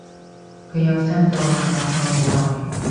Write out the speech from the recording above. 佢有刪到，搞咗好耐